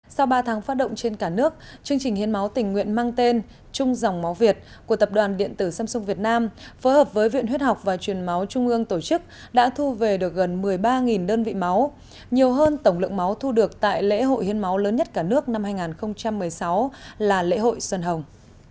sau ba tháng phát động trên cả nước chương trình hiến máu tình nguyện mang tên trung dòng máu việt của tập đoàn điện tử samsung việt nam phối hợp với viện huyết học và truyền máu trung ương tổ chức đã thu về được gần một mươi ba đơn vị máu nhiều hơn tổng lượng máu thu được tại lễ hội hiến máu lớn nhất cả nước năm hai nghìn một mươi sáu là lễ hội xuân hồng